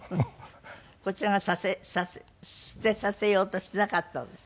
こちらが捨てさせようとしなかったんでしょ？